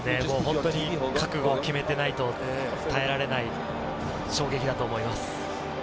覚悟を決めていないと、耐えられない衝撃だと思います。